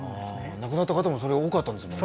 亡くなった方も多かったんですもんね